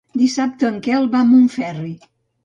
Dissabte en Quel va a Montferri.